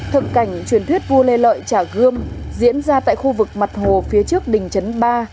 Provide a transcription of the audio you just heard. thực cảnh truyền thuyết vua lê lợi trả gươm diễn ra tại khu vực mặt hồ phía trước đỉnh chấn ba